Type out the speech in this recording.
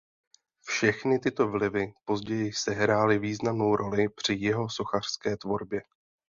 Všechny tyto vlivy později sehrály významnou roli při jeho sochařské tvorbě.